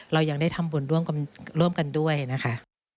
เรายังได้ทำบุญร่วมกันด้วยนะคะ